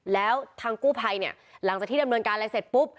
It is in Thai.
แล้วทางกู้ภัยเนี่ยหลังจากที่ดำเนินการอะไรเสร็จปุ๊บ